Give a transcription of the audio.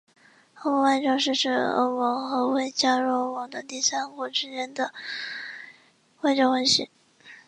欧盟外交是指欧盟和未加入欧盟的第三国之间的外交关系。